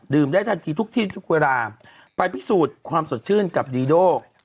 ได้ทันทีทุกที่ทุกเวลาไปพิสูจน์ความสดชื่นกับดีโด